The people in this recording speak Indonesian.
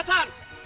kau tak mau berdua